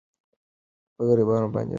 په غریبانو باندې رحم کوئ.